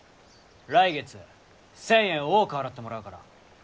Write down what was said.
来月１０００円多く払ってもらうから。